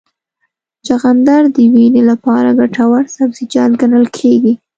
چغندر د وینې لپاره ګټور سبزیجات ګڼل کېږي.